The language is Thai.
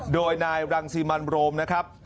โดยนายรังสิมันโรมนะครับ